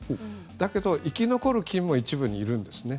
だけど生き残る菌も一部にいるんですね。